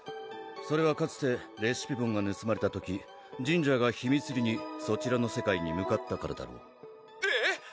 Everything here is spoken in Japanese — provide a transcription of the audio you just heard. それはかつてレシピボンがぬすまれた時ジンジャーが秘密裏にそちらの世界に向かったからだろう「えぇ⁉」